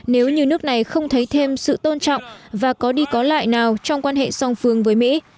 nếu như nước này không thấy thêm sự tôn trọng và có đi có lại nào trong quan hệ song phương với mỹ